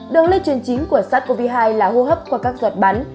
đường lây truyền chính của sars cov hai là hô hấp qua các giọt bắn